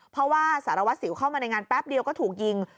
เพราะว่าสารวัสสิวเข้ามาในงานแป๊บเดียวก็ถูกยิง